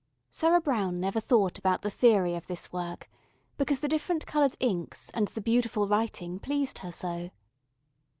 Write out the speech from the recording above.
Sarah Brown never thought about the theory of this work, because the different coloured inks and the beautiful writing pleased her so.